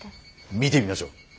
見てみましょう。